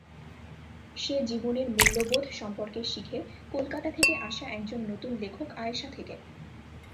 সে জীবনের মূল্যবোধ সম্পর্কে শিখে কোলকাতা থেকে আসা একজন নতুন লেখক আয়েশা থেকে।